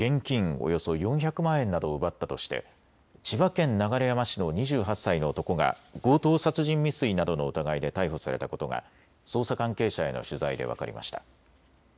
およそ４００万円などを奪ったとして千葉県流山市の２８歳の男が強盗殺人未遂などの疑いで逮捕されたことが捜査関係者への取材で分かりました。